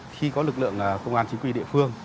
khi có lực lượng công an chính quy địa phương